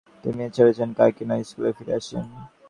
তিনি তা ছেড়ে কাকিনা স্কুলে ফিরে আসেন।